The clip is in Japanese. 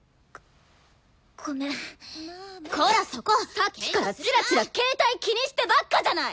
さっきからチラチラ携帯気にしてばっかじゃない！